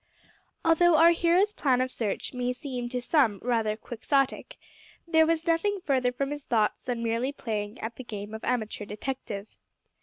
Although our hero's plan of search may seem to some rather Quixotic, there was nothing further from his thoughts than merely playing at the game of amateur detective.